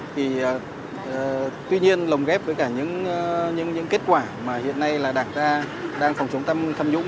thì tuy nhiên lồng ghép với những kết quả mà hiện nay đảng đang phòng chống tham nhũng